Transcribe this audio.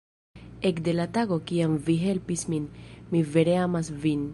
Ekde la tago kiam vi helpis min, mi vere amas vin.